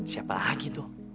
siapa lagi tuh